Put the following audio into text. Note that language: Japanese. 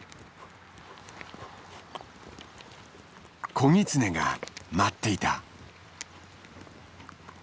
子ギツネが待っていた。